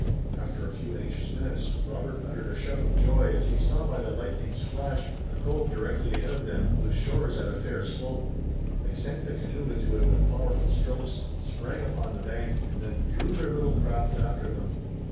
After a few anxious minutes, Robert uttered a shout of joy as he saw by the lightning's flash a cove directly ahead of them with shores at a fair slope. They sent the canoe into it with powerful strokes, sprang upon the bank, and then drew their little craft after them.